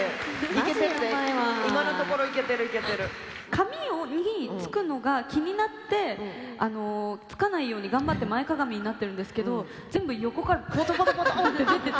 髪に付くのが気になって付かないように頑張って前かがみになってるんですけど全部横からボトボトボトッて出てて。